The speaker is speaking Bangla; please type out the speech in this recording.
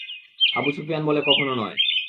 আবু সুফিয়ান বলে কখনও নয়।